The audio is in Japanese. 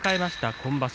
今場所